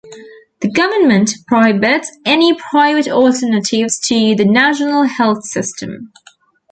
The government prohibits any private alternatives to the national health system.